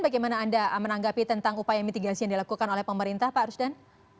bagaimana anda menanggapi tentang upaya mitigasi yang dilakukan oleh pemerintah pak rusdan